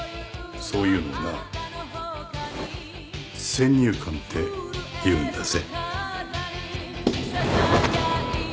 そういうのをな先入観っていうんだぜ。